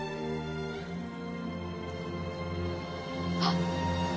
あっ！